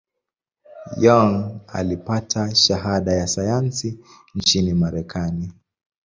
Young alipata shahada ya sayansi nchini Marekani.